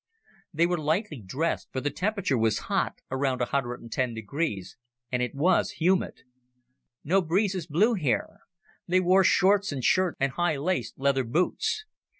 They were lightly dressed, for the temperature was hot, around 110°, and it was humid. No breezes blew here. They wore shorts and shirts and high laced leather boots.